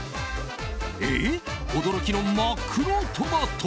え、驚きのまっ黒トマト！